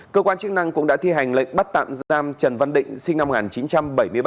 cơ quan chức năng cũng đã thi hành lệnh bắt tạm giam trần văn định sinh năm một nghìn chín trăm bảy mươi ba